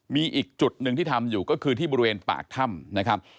มีอีกจุดหนึ่งที่ทำอยู่ก็คือที่บริเวณปากถ้ำนะครับ